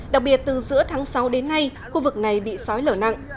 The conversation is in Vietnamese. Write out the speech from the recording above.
đặc biệt từ giữa tháng sáu đến nay khu vực này bị sói lở nặng